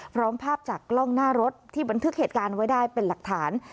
พร้อมภาพจากกล้องหน้ารถที่บันทึกเหตุการณ์ไว้ได้เป็นหลักฐาน